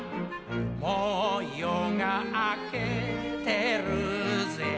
「もう夜があけてるぜ」